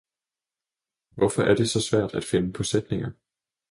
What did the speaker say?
Hvorfor er det så svært at finde på sætninger.